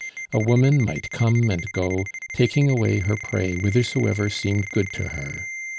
A woman might come and go, taking away her prey whithersoever seemed good to her.